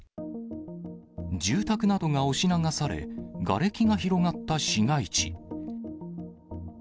住宅などが押し流され、がれきが広がった市街地。